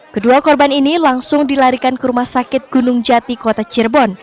kedua korban ini langsung dilarikan ke rumah sakit gunung jati kota cirebon